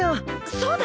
そうだ！